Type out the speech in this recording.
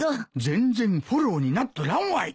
全然フォローになっとらんわい。